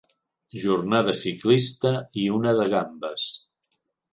Jornada ciclista i una de gambes.